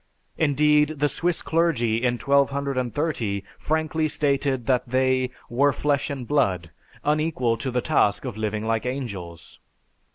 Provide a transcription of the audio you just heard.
Indeed, the Swiss clergy in 1230, frankly stated that they "were flesh and blood, unequal to the task of living like angels."